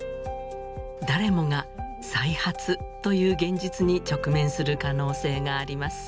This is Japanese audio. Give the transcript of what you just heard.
誰もが再発という現実に直面する可能性があります。